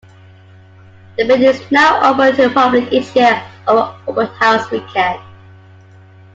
The building is now open to the public each year over Open House Weekend.